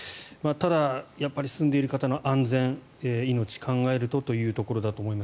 ただ、住んでいる方の安全、命を考えるとというところだと思います。